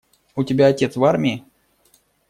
У тебя отец в армии?